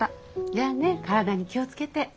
じゃあね体に気を付けて。